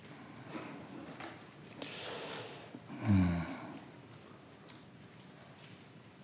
うん。